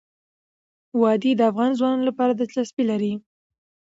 وادي د افغان ځوانانو لپاره دلچسپي لري.